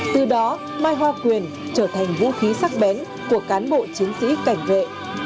từ đó mai hoa quyền trở thành vũ khí sắc bén của cán bộ chiến sĩ cảnh vệ